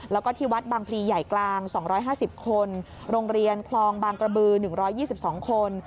แล้วก็ที่วัดบางพลีใหญ่กลาง๒๕๐คนโรงเรียนคลองบางกระบือ๑๒๒คน